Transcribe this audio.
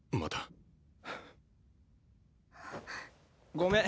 ごめん。